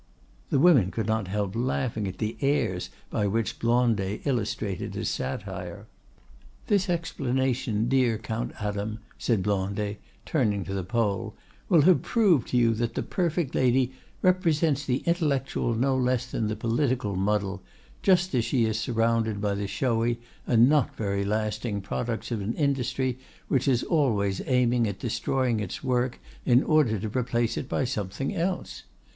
The women could not help laughing at the airs by which Blondet illustrated his satire. "This explanation, dear Count Adam," said Blondet, turning to the Pole, "will have proved to you that the 'perfect lady' represents the intellectual no less than the political muddle, just as she is surrounded by the showy and not very lasting products of an industry which is always aiming at destroying its work in order to replace it by something else.